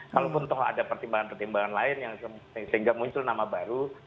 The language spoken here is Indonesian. kalaupun toh ada pertimbangan pertimbangan lain yang sehingga muncul nama baru